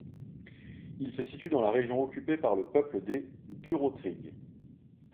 Il se situe dans la région occupée par le peuple des Durotriges.